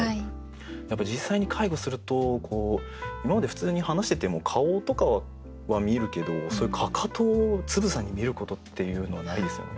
やっぱり実際に介護すると今まで普通に話してても顔とかは見えるけどそういうかかとをつぶさに見ることっていうのはないですよね。